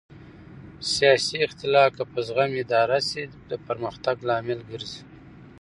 سیاسي اختلاف که په زغم اداره شي د پرمختګ لامل ګرځي